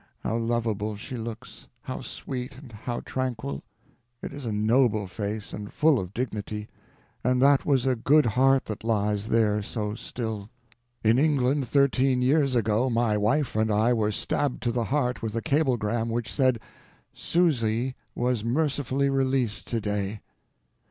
How lovable she looks, how sweet and how tranquil! It is a noble face, and full of dignity; and that was a good heart that lies there so still. In England, thirteen years ago, my wife and I were stabbed to the heart with a cablegram which said, "Susy was mercifully released today."